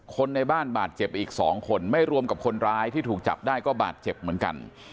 คนในบ้านบาดเจ็บอีก๒คนไม่รวมกับคนร้ายที่ถูกจับได้ก็บาดเจ็บเหมือนกัน